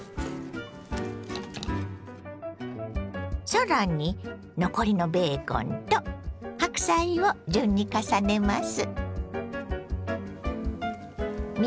更に残りのべーコンと白菜を順に重ねます。